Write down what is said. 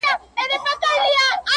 میاشتي کلونه زمانه به ستا وي!!